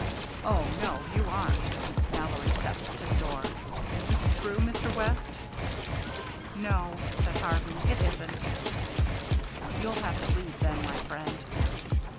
"Oh, no, you aren't." Mallory stepped to the door. "Is this true, Mr. West?" "No," said Harvey, "it isn't." "You'll have to leave, then, my friend."